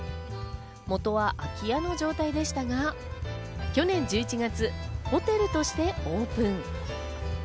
元は空き家の状態でしたが、去年１１月、ホテルとしてオープン。